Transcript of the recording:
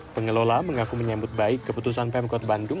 pengelola mengaku menyambut baik keputusan pemkot bandung